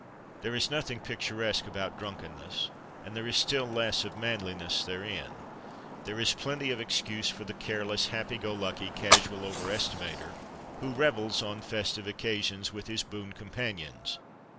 There is nothing picturesque about drunkenness; and there is still less of manliness therein. There is plenty of excuse for the careless, happy go lucky, casual over estimater, who revels, on festive occasions, with his boon companions.